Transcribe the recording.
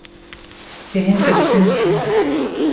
چې هند ته ستون شي.